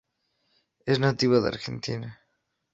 Es nativa de Argentina.